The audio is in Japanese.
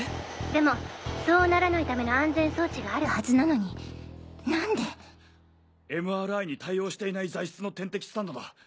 でもそうならないための安全装置があるはずなのに何で？ＭＲＩに対応していない材質の点滴スタンドだ。